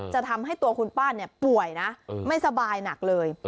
จะทำให้ตัวคุณป้าป่วยนะไม่สบายหนักเลย